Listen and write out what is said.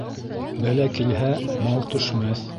Бәлә килһә, мал төшмәҫ.